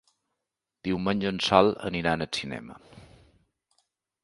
Diumenge en Sol anirà al cinema.